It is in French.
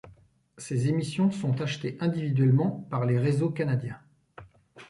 Ces émissions sont achetées individuellement par les réseaux canadiens.